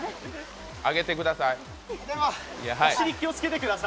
上げてください。